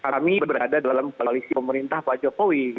kami berada dalam koalisi pemerintah pak jokowi